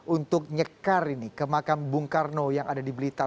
untuk nyekar ini ke makam bung karno yang ada di blitar